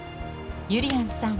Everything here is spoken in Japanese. ゆりやんさん